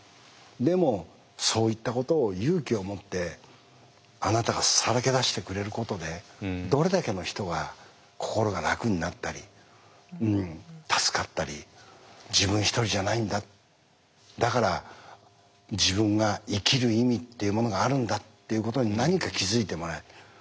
でもそういったことを勇気を持ってあなたがさらけ出してくれることでどれだけの人が心が楽になったり助かったり自分一人じゃないんだだから自分が生きる意味っていうものがあるんだっていうことに何か気付いてもらえる。